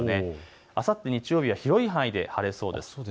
あさって日曜日は広い範囲で晴れそうです。